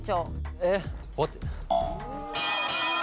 えっ？